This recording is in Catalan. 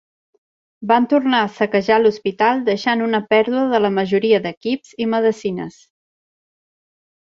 Van tornar a saquejar l'hospital deixant una pèrdua de la majoria d'equips i medecines.